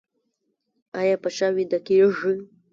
ایا په شا ویده کیږئ؟